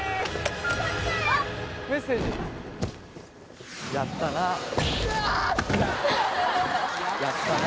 メッセージうわっやったな